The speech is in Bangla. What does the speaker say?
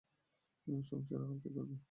সংসারের হাল কে ধরবে?